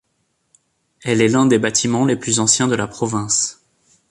Elle est l'un des bâtiments les plus anciens de la province.